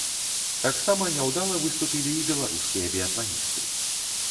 Таксама няўдала выступілі і беларускія біятланісты.